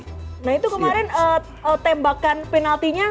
nah itu kemarin tembakan penaltinya